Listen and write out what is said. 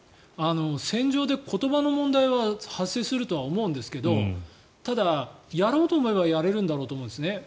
戦場で言葉の問題は発生するとは思うんですがただ、やろうと思えばやれるんだろうと思うんですね。